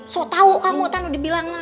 sotau kamu tanu dibilang